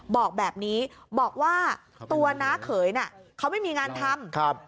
บอกแบบนี้บอกว่าตัวน้าเขยน่ะเขาไม่มีงานทำ